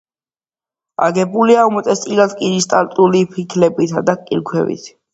აგებულია უმეტესწილად კრისტალური ფიქლებითა და კირქვებით.